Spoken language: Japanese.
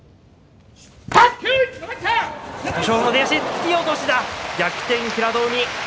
突き落とし、逆転、平戸海。